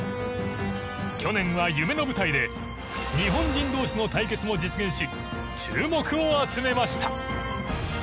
去年は夢の舞台で日本人同士の対決も実現し注目を集めました。